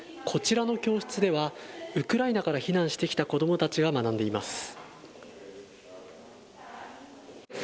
こちらの教室ではウクライナから避難してきた子どもたちが学んでいます。